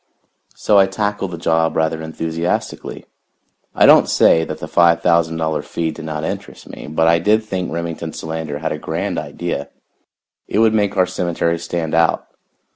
So I tackled the job rather enthusiastically. I don't say that the five thousand dollar fee did not interest me, but I did think Remington Solander had a grand idea. It would make our cemetery stand out.